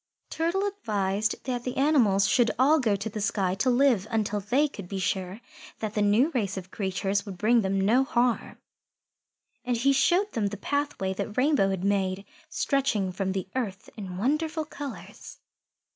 Turtle advised that the animals should all go to the sky to live until they could be sure that the new race of creatures would bring them no harm. And he showed them the pathway that Rainbow had made, stretching from the earth in wonderful colours.